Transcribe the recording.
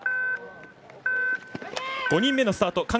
５人目スタート。